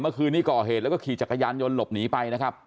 เมื่อคืนนี้ก่อเหตุแล้วก็ขี่จักรยานยนต์หลบหนีไปนะครับ